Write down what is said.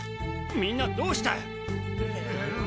みんなどうした？